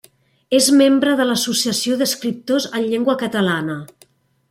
És membre de l'Associació d'Escriptors en Llengua Catalana.